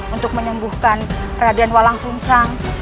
untuk menyembuhkan radian walang sunsang